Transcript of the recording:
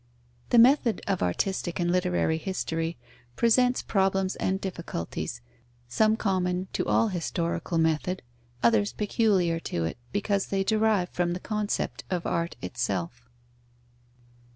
_ The method of artistic and literary history presents problems and difficulties, some common to all historical method, others peculiar to it, because they derive from the concept of art itself.